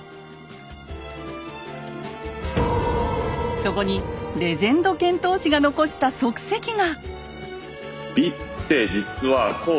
そこにレジェンド遣唐使が残した足跡が！